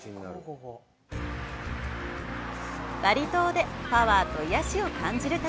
バリ島でパワーと癒しを感じる旅。